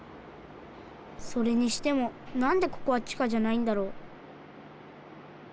それにしてもなんでここは地下じゃないんだろう？